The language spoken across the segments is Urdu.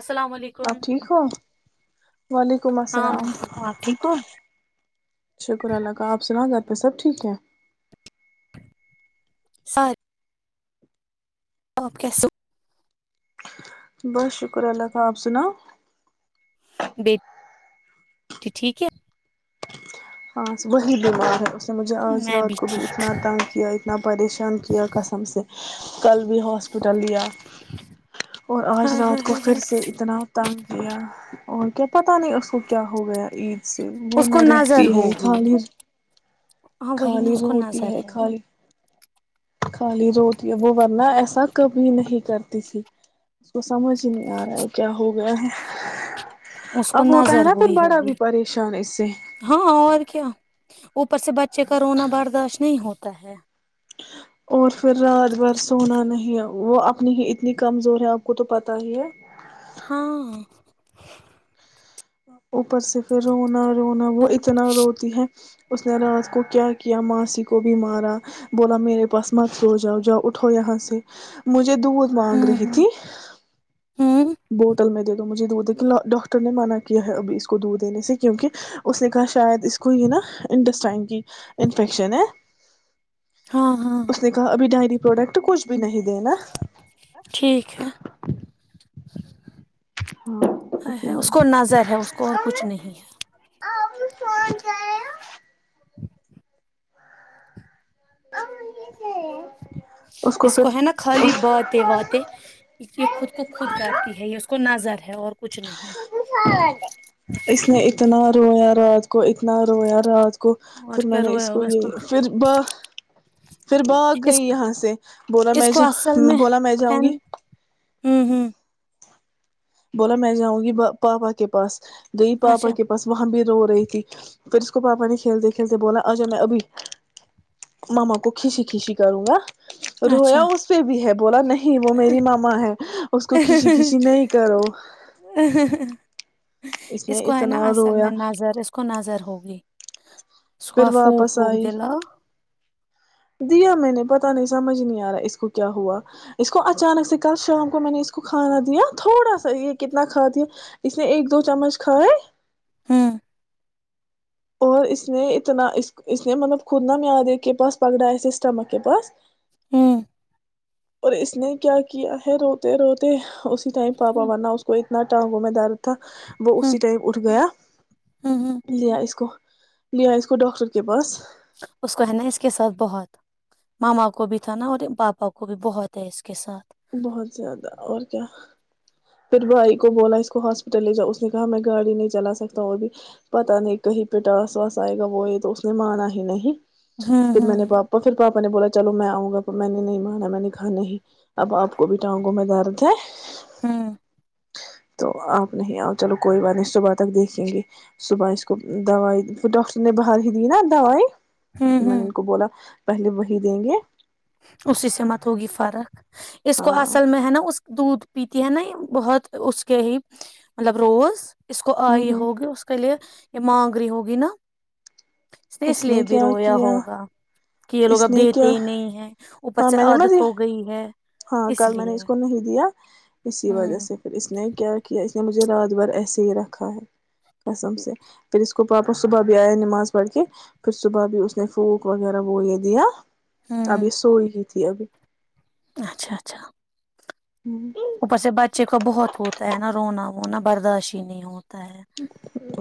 السلام علیکم آپ ٹھیک ہو وعلیکم ہاں میں السلام ٹھیک ہوں، آپ ٹھیک ہو شکر اللہ کا آپ سنا گ سب ٹھیک ہے سر آ آپ کیس بس شکر اللہ ت آپ سناؤ بی ٹھیک ہے ہاں وہی بیمار ہے مجھے آج میں رات کو بھی ٹھیک اتنا تنگ کیا اتنا پریشان کیا قسم سے کل بھی ہاسپٹل لیا اور ہاں آج ہاں رات کو ہاں پھر ہاں سے اتنا تنگ کیا اور کیا پتہ نہیں اس کو کیا ہو گیا عید س وہ اس ن کو ر نظر ہوگی خالیر ہاں وہی نا خالی اس تو کو ہوتی ہے نظر خالی خالی روتی ہے وہ ورنہ ایسا کبھی نہیں کرتی تھی اس کو سمجھ ہی نہیں آ رہا ہے کیا ہو گیا ہے اس کو اب ہوتا ہے نظر نا پھر ہوئی بڑا ہوگی بھی پریشان اس سے ہاں اور کیا وہ پرس سے بچ چ کرونا برداشت نہیں ہوتا ہے اور پھر رات بھر سونا نہیں ا وہ اپنی ہی اتنی کمزور ہے آپ کو تو پتہ ہی ہے ہاں ہوں [unintelligible] اوپر سے پھر ہونا رونا وہ اتنا روتی ہے اس نے رات کو کیا کیا ماسی کو بھی مارا بولا میرے پاس مت سو جاؤ جاؤ اٹھو یہاں سے مجھ م دودھ مانگ رہی ہوں تھی ہوں بوٹل میں دے مجھے دھ ڈاکٹر نے مانا کیا ہے ابھی اس کو دھ دینے سے کیونکہ اس نے کہا شاید اس کو یہ نا انڈسٹائن کی انفیکشن ہے ہاں ہاں اس نے کہا ابھی ڈائی پروڈٹ کچ بھی نہیں دینا ٹھیک ہے [inaudible] ہاں ہے، اس کو ہاںی نظر ہے اس کو اور کچھ نہیں بات آپ ہاں اس کو ہے نا خالی بات واتے یہ خود کو خود کرتی ہے یہ اس کو نظر ہے اور کچھ نہیں اس نے اتناہ رویا رات کو کو اتنا رویا رات کو اور پھر کیا میں نے اس رویا کو ہوگا یہ پھر ب پھر باگ اس گئی یہاں سے بولا اس میں کو اصل جاؤ بولا میں ہے جاؤں گی ن- ہوں ہوں بولا میں جاؤں گی پاپا کے پاس د اچھا پاپا کے پاس وہاں بھی رو رہی تھی پھر اس کو پاپا نے کھیلتے کھیلتے بولا آجا میں ابھی ماما کو کھچی کھیچی کروں گا رویا اچھا اس پہ بھی ہے بولا نہیں وہ میری ماما ہے اس کو کھچی کھچی نہیں کرو اس نے کو ہے نا اتنا اصل رویا میں نظر اس کو نظر ہوگی اس کو پھر واپس پھوک ووک آئی دلاؤ دیا میں نے پت نہیں سمجھ نہیں آ رہا ہے اس کو کیا ہوا اس کو اچانک سے کل شام کو میں نے اس کو کھانا دیا تھوڑا سا یہ کتنا کھا دیا اس نے ایک دو چمچ کھائے ہاں اور اس نے اتنا اس اس نے مطلب خود ن معیار کے پاس پکڑا ہے اسے اسٹمک کے پاس ہوں اور اس نے کیا کیا ہے روتے روتے اس ٹائم ہوں پاپاورہ اس کو انا وں میں درد تھا وہ ہوں اسی ٹائم اٹھ گیا ہوں ہوں۔ لیا اس کو لیا اس کو ڈاکٹر کے پاس اس کو ہے نا اس کے ساتھ بہت ماما کو بھی تھا نا اور پاپا کو بھی بہت ہے اس کے ساتھ بہت زیادہ اور کیا پھر بھائی کو بولا اس کو ہاسپٹل لے جاؤ اس نے کہا میں گاڑی نہیں چلا سکتا اور بھی پتا نہیں کہیں پہ ٹاس واس آئے گا وہ یہ تو اس نے مانا ہی نہیں ہوں پھر میں ہوں نے پاپا پھر پاپا نے بولا چلو میں آؤں گا میں نے نہیں بانا میں نے کھانے ہی اب آپ کو بھی ٹانگوں میں درد ہے [unintelligible] ہاں تو آپ نہیں آؤ چلو کوئی بات نہیں صبح تک دیکھیں گے صبح اس کو دوائی ڈاکٹر نے باہر ہی دی نا دوائی [unintelligible] ہوں تو میں نے ہوں ان کو بولا [unintelligible] پہلے وہی دیں گے [unintelligible] اسی سے مت ہوگی فرق [unintelligible] اس کو ہاں اصل میں ہے نا اس [unintelligible] دودھ پیتی ہے نا بہت اس کے ہی مطلب روز [unintelligible] اس کو ہ آئی ہ ہوگی اس کے لیے [unintelligible] یہ مانگری ہوگی نا [unintelligible] اس نے اس لیے بھی رویا ہوگا [unintelligible] کہ یہ لوگ اس اب نے دیتے کیا ہی نہیں ہے [unintelligible] ہاں میں نے ب عادت ہو گئی ہے ہاں کل میں نے اس کو نہیں دیا اسی وجہ ہوں سے پھر اس نے کیا کیا [unintelligible] اس نے مجھے رات بھر ایسے ہی رکھا ہے قسم سے پھر اس کو پاپا صبح بھی آیا نماز پڑھ کے پھر صبح بھی اس نے پھونک وغیرہ وہ یہ دیا [unintelligible] اب ہاں یہ [inaudible] سوئی تھی ابھی [inaudible] اوپر سے بچے کو بہت ہوتا ہے نا رونا [unintelligible] وہ نہ برداشت نہیں ہو [unintelligible] ہے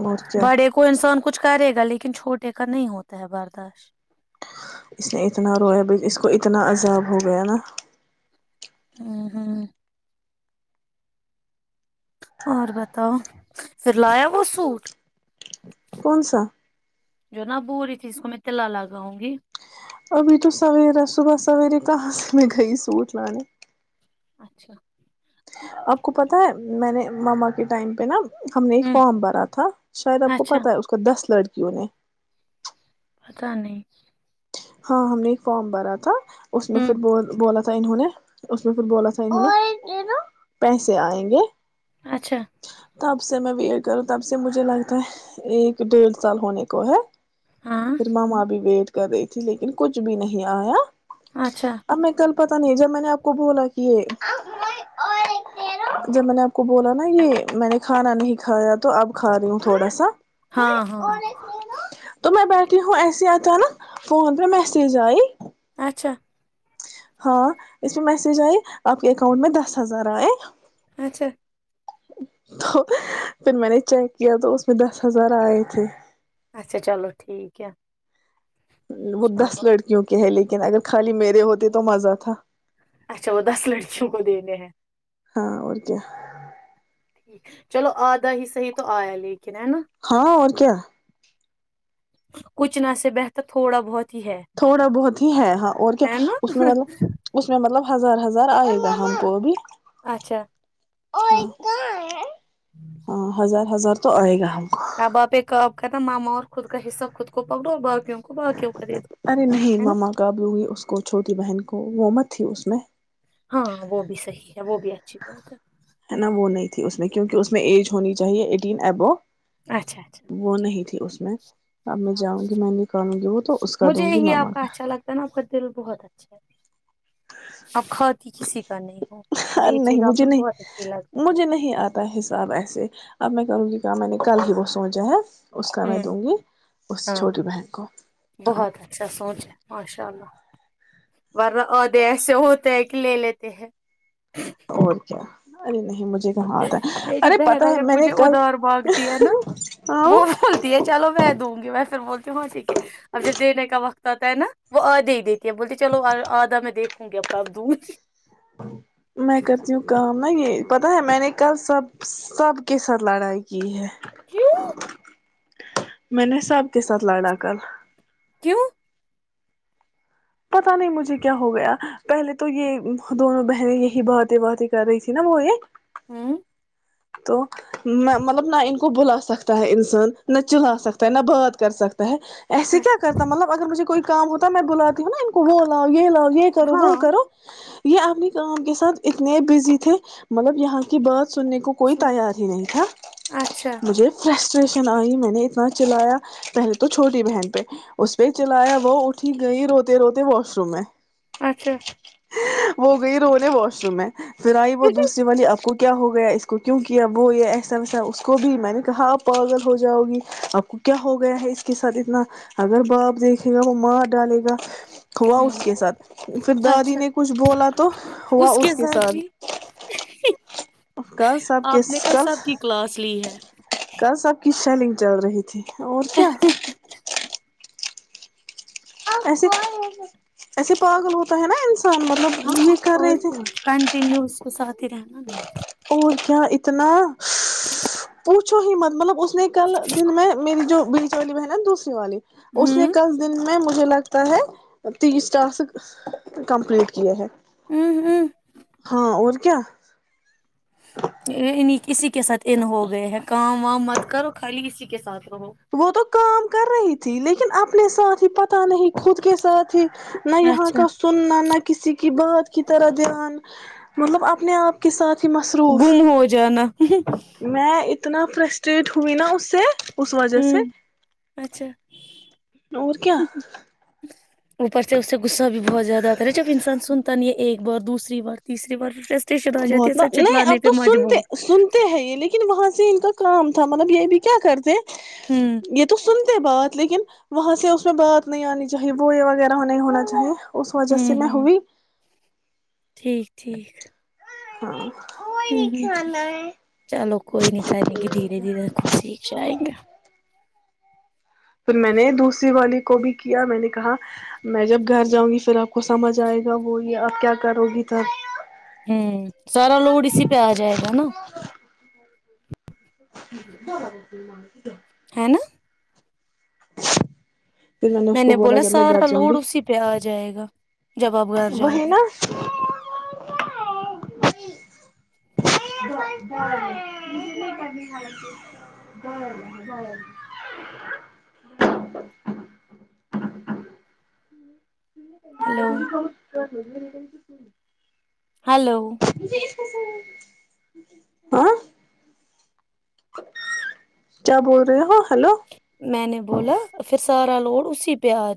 اور کیا بڑے کو انسان [inaudible] کچھ کرے گا لیکن چھوٹے کا نہیں ہوتا ہے برداشت [unintelligible] اس نے اتنا رویا ب اس کو اتنا عذاب ہو گیا نا [unintelligible] ہوں ہاں اور بتاؤ پھر لایا وہ سوٹ کون سا جو نا بور چیز کو میں تلا لگاؤں گی ابھی تو سویرا صبح سویرے کہاں سے میں گئی سوٹ لانے اچھا مما کے ٹائم پہ نا ہم نے ایک ہوں فارم بھرا تھا شاید آپ کو اچھا پتا ہے اس کو دس لڑکی کیوں نہیں [inaudible] پتہ نہیں ہاں ہم نے ایک فارم بھرا تھا اس میں پھر ہوں ب بولا تھا انہوں نے اس میں پھر بولا تھا انہوں نے پیسے آئیں گے اچھا تب سے میں ویٹ کروں تب سے مجھے لگتا ہے ایک ڈیڑھ سال ہونے کو ہے ہاں فھرماما بھی وید کر رہی تھی لیکن کچھ بھی نہیں آیا اچھا ہم میںیں کل پت نہیں جب میں نے آپ کو بولا کہ جب میں نے آپ کو بولا نا یہ میں نے کھانا نہیں کھایا تو اب کھا رہی ہوں تھوڑا سا ہاں ہاں تو میں بیٹھے ہوں ایسسی اچانک فون پہ میسیج آئیے اچھا ہاں اس پ میسج آئی آپ کے اکاؤنٹ میں دس ہزار آئے اچھا تو پھر میں نے چیک کیا تو اس میں دس ہزار آئے تھے اچھا چلو ٹھیک ہے وہ دس چلو لڑکیوں کے ہے لیکن لن اگر خالی میرے ہوتے تو مزہ تھا اچھا وہ دس لڑکیوں کو دینے ہیں ہاں اور کیا ٹیک چلو آدا ہی صح تو آیا ل ہاں اور کیا [unintelligible] کچ نہ سے بہتر تھوڑا بہت ہی ہے تھوڑا بہت ہی ہے ہاں اور کیا ہے نا اس میں مطلب اس میں مطلب ہزار ہزار آئے گا ہم کو ا بھی اچھا [inaudible] ہاں ہزار ہزار تو آئے گا ہم کو آاں باپ ایک کا ا ماما اور خود کا حصہ خود کو پکڑو اور ب ارے نہیں ماما کاب لوں گی اس کو چھوٹی بہن وہ مت تھی اس میں ہاں وہ بھی صحیح ہے وہ بھی اچھی بات ہے ہے نا وہ نہیں تھی اس میں کیونکہ اس میں ایج ہونی چاہیے ایٹین ابو اچھا اچھا وہ نہیں تھی اس میں اب میں چلو جاؤں گی میں نکالوں گی وہ تو اس کا مجھے دوں گی یہی ماما آپ کا اچھا لگتا ہے نا آپ کا دل بہت اچھا آپ کھاتی کسی کا نہیں ہو مجھے یہ نہیں چیز آپ مجھے میں نہیں بہت اچھی لگتی ہے مجھے نہیں آتا حساب ایسے اب میں چلو ج کہ میں نے کل ہی وہ سوچا ہے اس کا میں ہوں دوں گی اس ہاں چھوٹی بہن کو ہ چلو ادے ایسے ہوتے ہیں لے لیتے ہیں اور کیا ا ہم م میری بہن اگر مجھے کل ادار بانگتی ہے نا آؤ وہ بولتی ہے چلو میں دوں گی میں پھر بولتی ہوں ہاں ٹھیک ہے اب جب دینے کا وقت ہوتا ہے نا وہ ا دے دیتی بولتی چلو آھا میں دیک کن گ کا دودھ نہیں یہ پتاہ ہے میں نے کل سب سب کے ساتھ لڑائی کی ہے کیوں میں نے سب کے ساتھ لڑا کل کیوں پتا نہیں مجھے کیا ہو گیا پہلے تو یہ دونوں بہنیں یہی باتیں باتیں کر رہی تھی نا وہ یہ ہوں تو میں مطلب نہ ان کو بلا سکتا ہے انسان نہ چلا سکتا ہے نہ بات کر سکتا ہے ایسے کیا اچھا کرتا مطلب اگر مجھے کوئی کام ہوتا میں بلاتی ہوں نا ان کو وہ لا یہ لا یہ کرو وہ ہاں کرو یہ اپنی کام کے ساتھ اتنے بزی تھے مطلب یہاں کی بات سننے کے کوئی سن- تیار ہی نہیں تھا اچھا مجھے فریش اسٹیشن آئی میں نے اتنا چلایا پہلے تو چھوٹی بہن پہ اس پہ چلایا وہ اٹھی گئی روتے روتے واش روم میں اچھا وہ گئی رو نے واش روم میں پھر آئی وہ دوسری والی آپ کو کیا ہو گیا اس کو کیوں کیا وہو یہ ایسا ویسا اس کو بھی میں نے کہا آپ پاگل ہو جاؤ گی آپ کو کیا ہو گیا ہے اس کے ساتھ اتنا اگر باپ دیکھے گا وہ مار ڈالے گا ہوا اس ہوں کے ساتھ پھر دادی اچھا نے کچھ بولا تو ہوا اس کے ساتھ کل سب آپ کس نے کل سب کی کلاس لی ہے کل سب کے سیلنگ چل رہی تھی اور کیا ایسے ایسے پاگل ہوتا ہے نا ان مطلب ہاں یہ کر رہے تھے ت رہانا ملتے ہے اور کیا اتنا پوچھو ہی مت مطلب اس اس نے کل دن میں میری جو بیچ والی ب ہے نا دوسری والی اس ہوں میں کس دن میں مجھے لگتا ہے ت اس ٹاسک کمپلٹ ک ہیں اوں ہوں کیا اسی کے سھ ان ہو گئے ہیں کام وام مت کرو خالی کسی کے ساتھ رہو وہ تو کام کر رہی تھی لیکن لیکن اپنے ساتھ ہی پتا نہیں خود کے ساتھ ہی نہ یہاں اچھا کا سننا نہ کسی کے کہ بات کی طرح دھیان مطلب اپنے آپ کے ساتھ ہی مصروف گم ہو جانا میں اتنا پرسٹریٹ ہوئی نا اس سے اس وجہ ہوں سے اچھا اور کیا اوپر سے اس سے غصہ بھی بہت زیادہ آتا ہے جب انسان سنتا ن نہیں یہ ایک بار دوسری بار تیسری بار فرسٹریشن آ جاتی ہے بہت سب ن نہیں اب چلانے پہ تو سنتے مجبور سنتے ہیں یہ لیکن وہاں سے ان کا کام تھا مطلب یہ بھی کیا کرتے ہوں ہیں یہ تو سن بات لیکن وہاں سے اس میں بات نہیں آنی چاہیے وہ یہ وغیرہ نہیں ہونا چاہی اس وجہ سے ہوں میں ہوں ہوئی ٹھیک ٹھیک ہوں ہوں ہ چلو کوئی نہیں کریں گے دھیرے دھیرے خود سیکھ جائےیں گا پھر میں نے دوسری والی کو بھی کیا میں نے کہا میں جب گھر جاؤں گی پھر آپ کو سمجھ آئے گا وہ یہ آپ کیا کرو گی ت ہوں سارا لوڈ اسی پہ آ جائے گا نا ج ب ب ہے نا [inaudible] میں کو نے بولا جب میں سارا لوڈ اسی پہ آ جائے گا جب آپ گھر بہ جاؤ گے نا ایک کر ہلو [inaudible] ہلو [unintelligible] کیا بول رہے ہو ہیلو میں نے بولا پھر سارا لوڑ اسی پیاج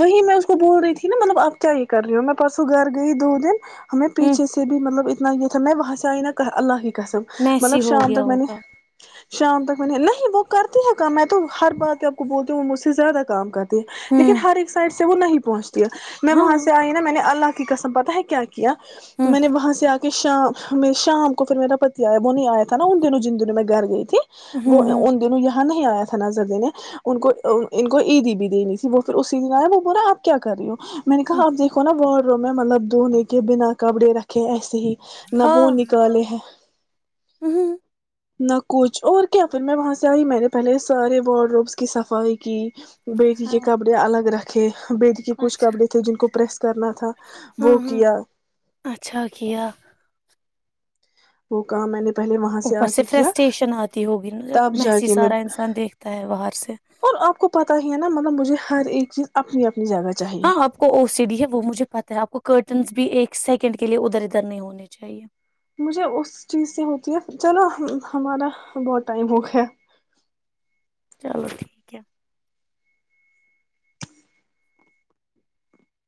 دی میں بول رہی تھی نا مطلبپ کیا یہ کر رہی ہو میں پرسوں گھر گئی دو دن ہمیں ہوں پیچھے سے بھی مطلب میں وہسا نا کہ اللہ گسم میسی مطلب ہو شام گیا تک بنے ہوگا شام تک میںنی نہیں وہ کرتی ہے کام تو ہر بات آپ کو بول تو وہ مجھ سے زیادہ کام کرتے ہوں لیکنر ایک سائڈ س وہ نہیں پہنچ میں ہاں وہاں سے آئی نا میں نے اللہ قسم پتہ ہے کیا کیا تو ہوں میں نے وہاں سے آ کے کہ شام میں شام کو پھر میرا پتی آیا وہ نہیں آیا تھا نا ان دنوں جن دنوں میں گھر گئی تھی وہ ہوں ہوں ان دن یا نہیں آیا تھا ن زردی نے ان کو ان کو عید بھی دینی تھی بہت پھر اسی د ن ہے وہ بورا آپ کیا کر رہ ہو میں نے ہوں کہا آپ دیکھو نا بہ کروں میں مطلب دھونے کے بنا کپڑے رکھے ایسے ہی ہاں نبو نکالے ہیں ہوں ہ نہ کچھ اور کیا پھر میں وہاں سے آئی میں نے پہلے سارے وارڈ رومس کی صفائی کی ہاں بیری الگ رکھے بیدی کے کچھ اچھا کبڑے تھے جن کو پریس کرنا تھا ہاں وہ ہاں کیا اچھا کیا وہ کہا میں نے پہلے وہاں اوپر آ سے کے کیا فرسٹریشن آتی ہوگی ن جب تب جا محسی کے میں سارا انسان دیکھتا ہے باہر سے اور آپ کو پتا ہی ہے نا مطلب مجھے ہر ایک چیز اپنی اپنی جگہ چاہیے ہاں آپ کو او س ڈی ہے وہ مجھے پتا ہے آپ کو کرٹنس بھی ایک سیکنڈ کے لیے ادھر ادھر نہیں ہونے چاہیے مجھے اس چیز سے ہوتی ہے چلو ہمارا بہت ٹائم ہو گیا [unintelligible] چلو ٹھیک ہے [inaudible]